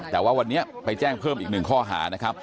แต่ว่าวันนี้ไปแจ้งเพิ่มอีกหนึ่งข้อหานะครับ